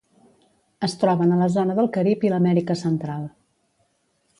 Es troben a la zona del Carib i l'Amèrica Central.